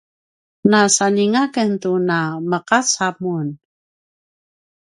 na saljinga ken tu na meqaca mun